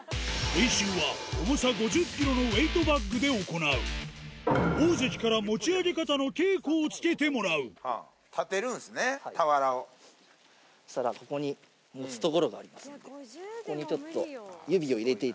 練習は重さ５０ｋｇのウエイトバッグで行う大関から持ち上げ方の稽古をつけてもらうここにちょっと。